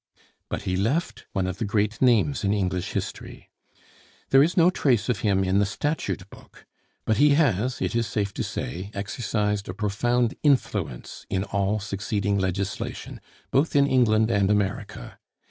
But he left one of the great names in English history. There is no trace of him in the statute book, but he has, it is safe to say, exercised a profound influence in all succeeding legislation, both in England and America.